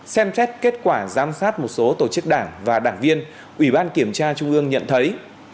xem xét kết quả giám sát một số tổ chức đảng và đảng viên ủy ban kiểm tra trung ương nhận thấy